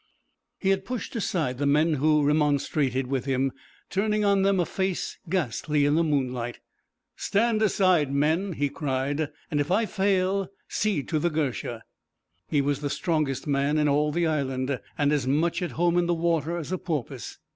He had pushed aside the men who remonstrated with him, turning on them a face ghastly in the moonlight. 'Stand aside, men,' he cried, 'and if I fail, see to the girsha!' He was the strongest man in all the Island, and as much at home in the water as a porpoise.